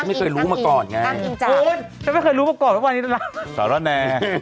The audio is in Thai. ของอีกของอีกจ่ะ